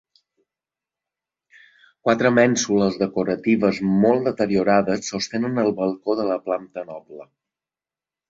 Quatre mènsules decoratives molt deteriorades sostenen el balcó de la planta noble.